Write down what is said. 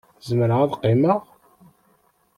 Zemreɣ ad qqimeɣ?